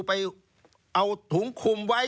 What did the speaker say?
ไปเอาถุงคุมไว้